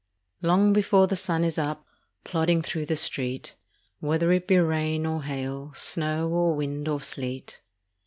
Long before the sun is up, Plodding through the street, Whether it be rain or hail, Snow or wind or sleet.